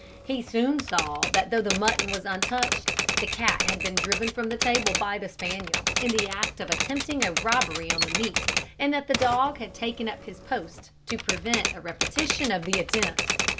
He soon saw that, though the mutton was untouched, the cat had been driven from the table by the spaniel, in the act of attempting a robbery on the meat, and that the dog had taken up his post to prevent a repetition of the attempt.